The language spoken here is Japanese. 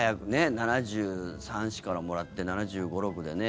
７３７４からもらって７５７６でね。